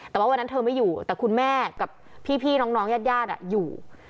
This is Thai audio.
แต่ว่าวันนั้นเธอไม่อยู่แต่คุณแม่กับพี่น้องญาติญาติอยู่